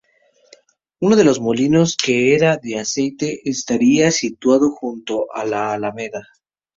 Uno de los molinos, que era de aceite, estaría situado junto a la Alameda.